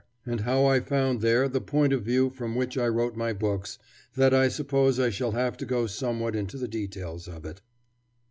], and how I found there the point of view from which I wrote my books, that I suppose I shall have to go somewhat into the details of it.